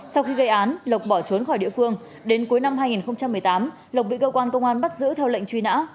sau khi gây án lộc bỏ trốn khỏi địa phương đến cuối năm hai nghìn một mươi tám lộc bị cơ quan công an bắt giữ theo lệnh truy nã